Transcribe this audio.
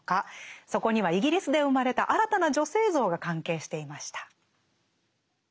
そこにはイギリスで生まれた新たな女性像が関係していました。